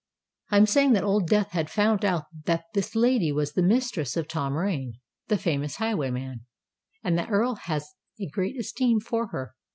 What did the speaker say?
"I was saying that Old Death had found out that this lady was the mistress of Tom Rain, the famous highwayman, and that the Earl has a great esteem for her.